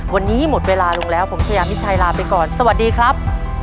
วันนี้หมดเวลาลงแล้วผมชายามิชัยลาไปก่อนสวัสดีครับ